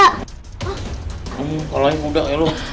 kala yang kuda ya lo